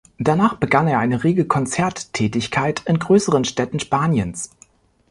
Danach begann er eine rege Konzerttätigkeit in größeren Städten Spaniens.